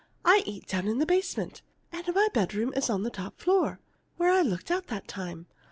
I eat down in the basement, and my bedroom is on the top floor where I looked out that time.